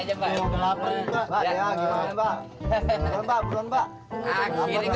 sampai jumpa di video selanjutnya